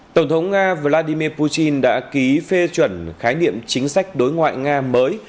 tổng thống nga vladimir putin đã ký phê chuẩn khái niệm chính sách đối ngoại nga mới